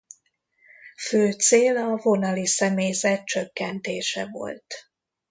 Fő cél a vonali személyzet csökkentése volt.